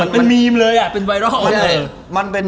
เป็นเมมเลยอะเป็นไวรอลเลย